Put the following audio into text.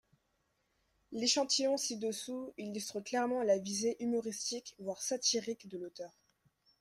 L'échantillon ci-dessous illustre clairement la visée humoristique, voire satirique, de l'auteur.